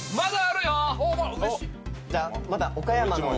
じゃあまた岡山の。